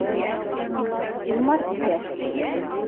Илмар китә.